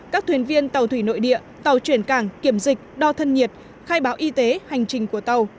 các thuyền viên tàu thủy nội địa tàu chuyển cảng kiểm dịch đo thân nhiệt khai báo y tế hành trình của tàu